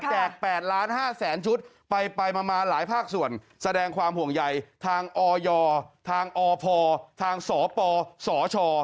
แตก๘๕๐๐๐๐๐ชุดไปมามาหลายภาคส่วนแสดงความห่วงใหญ่ทางออยทางอพทางศปศช